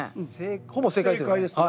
ほぼ正解ですよね？